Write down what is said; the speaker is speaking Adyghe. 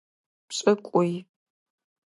Пшӏыкӏуи.